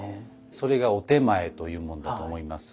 それがお点前というものだと思います。